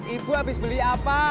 ibu habis beli apa